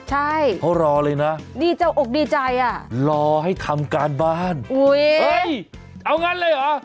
ใช่เขารอเลยนะรอให้ทำการบ้านเอ๊ะเอ้ยเอางั้นเลยเหรอ